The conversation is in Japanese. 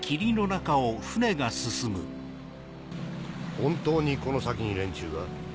本当にこの先に連中が？